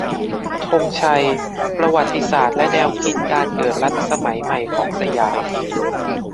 ธงชัย : ประวัติศาสตร์และแนวคิดการเกิดรัฐสมัยใหม่ของสยาม